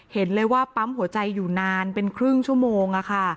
เห็นเลยว่าปั๊มหัวใจอยู่นานเป็นครึ่งชั่วโมง